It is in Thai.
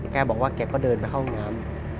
แกบอกว่าแกก็เดินไปเข้าห้องน้ำ